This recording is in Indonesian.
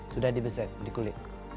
sudah dibeset di kulit